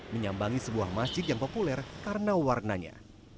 menyambangi sebuah masjid yang populer karena warnanya